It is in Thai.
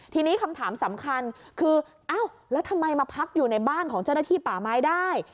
ทีนี้คำถามสำคัญคืออ้าวแล้วทำไมมาพักอยู่ในบ้านของเจ้าหน้าที่ป่าไม้ได้